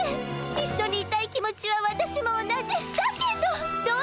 一緒にいたい気持ちは私も同じ。だけどっ！